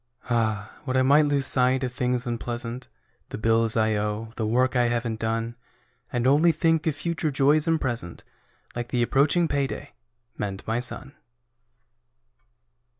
Ah, would I might lose sight of things unpleasant: The bills I owe; the work I haven't done. And only think of future joys and present, Like the approaching payday, and my son.